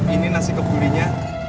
ini nasi kebulinya